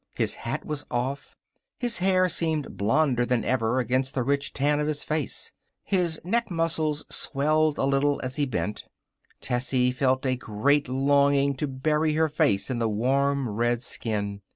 His hat was off. His hair seemed blonder than ever against the rich tan of his face. His neck muscles swelled a little as he bent. Tessie felt a great longing to bury her face in the warm red skin.